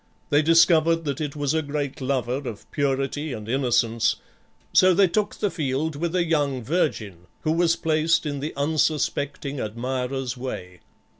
They discovered that it was a great lover of purity and innocence, so they took the field with a young virgin, who was placed in the unsuspecting admirer's way.